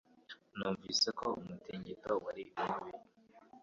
Numvise ko umutingito wari mubi